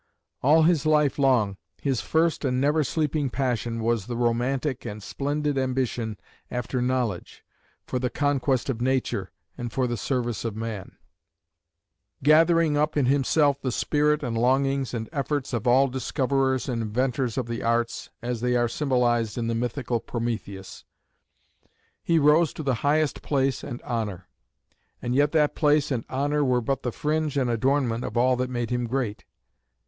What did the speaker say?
All his life long his first and never sleeping passion was the romantic and splendid ambition after knowledge, for the conquest of nature and for the service of man; gathering up in himself the spirit and longings and efforts of all discoverers and inventors of the arts, as they are symbolised in the mythical Prometheus. He rose to the highest place and honour; and yet that place and honour were but the fringe and adornment of all that made him great.